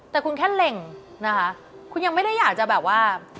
แต่คุณแค่เหล่งนะคะคุณยังไม่ได้อยากจะแบบว่า